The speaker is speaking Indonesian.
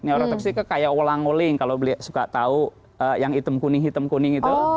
neurotoksi kayak ulang oling kalau suka tahu yang hitam kuning hitam kuning itu